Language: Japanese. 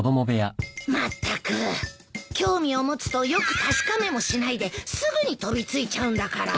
まったく興味を持つとよく確かめもしないですぐに飛び付いちゃうんだから。